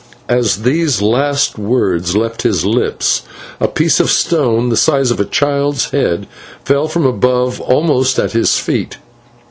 As these last words left his lips a piece of stone, the size of a child's head, fell from above almost at his feet.